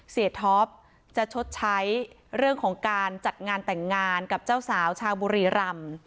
ท็อปจะชดใช้เรื่องของการจัดงานแต่งงานกับเจ้าสาวชาวบุรีรำ